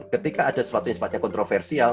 ketika ada sebuah sebuah yang kontroversial